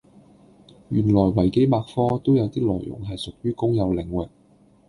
原來維基百科都有啲內容係屬於公有領域